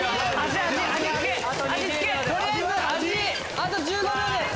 あと１５秒です。